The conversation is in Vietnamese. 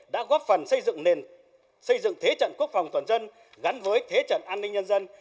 đã góp phần xây dựng thế trận quốc phòng toàn dân gắn với thế trận an ninh nhân dân